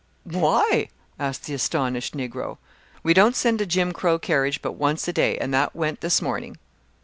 "Why?" asked the astonished Negro. "We don't send a Jim Crow carriage but once a day, and that went this morning."